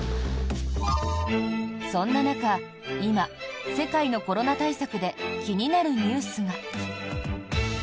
そんな中今、世界のコロナ対策で気になるニュースが。